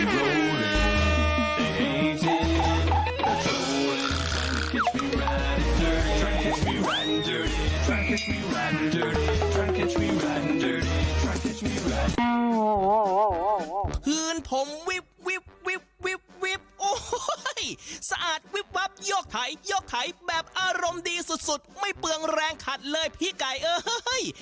พื้นผมวิบสะอาดวิบยกไถแบบอารมณ์ดีสุดไม่เปลืองแรงขัดเลยพี่ไก่